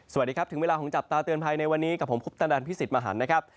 สวัสดีครับถึงเวลาของจับตาเตือนภัยในวันนี้กับผมคุปตนันพิสิทธิมหันนะครับ